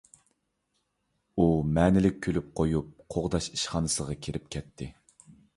ئۇ مەنىلىك كۈلۈپ قويۇپ، قوغداش ئىشخانىسىغا كىرىپ كەتتى.